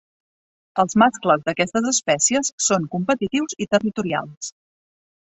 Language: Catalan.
Els mascles d'aquestes espècies són competitius i territorials.